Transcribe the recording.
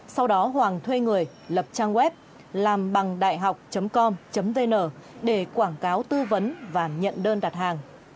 sau đó hoàng thuê người lập trang web làmbằngđạihọc com vn để quảng cáo tư vấn và nhận đơn đặt hàng